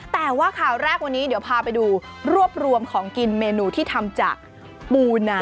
แต่ว่าข่าวแรกวันนี้เดี๋ยวพาไปดูรวบรวมของกินเมนูที่ทำจากปูนา